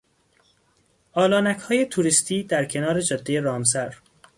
آلانکهای توریستی در کنار جادهی رامسر